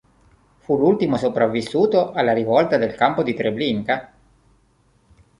Fu l'ultimo sopravvissuto alla rivolta del campo di Treblinka.